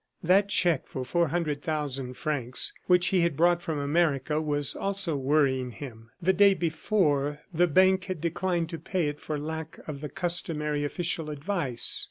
That check for four hundred thousand francs which he had brought from America was also worrying him. The day before, the bank had declined to pay it for lack of the customary official advice.